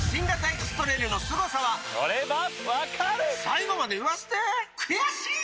エクストレイルのすごさは最後まで言わせて悔しい！